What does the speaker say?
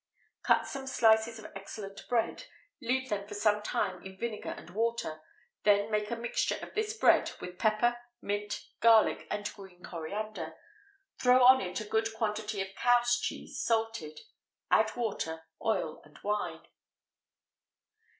_ Cut some slices of excellent bread; leave them for some time in vinegar and water; then make a mixture of this bread with pepper, mint, garlic, and green coriander; throw on it a good quantity of cow's cheese salted; add water, oil, and wine.